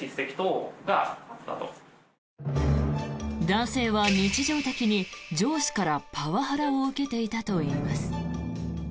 男性は、日常的に上司からパワハラを受けていたといいます。